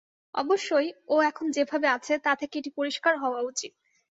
অবশ্যই, ও এখন যেভাবে আছে তা থেকে এটি পরিষ্কার হওয়া উচিত।